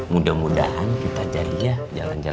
mudah mudahan kita jadi ya